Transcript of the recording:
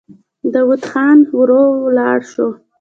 داوود خان ورو ولاړ شو.